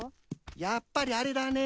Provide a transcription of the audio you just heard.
やっぱりあれだね？